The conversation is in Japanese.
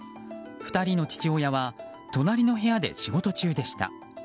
２人の父親は隣の部屋で仕事中でした。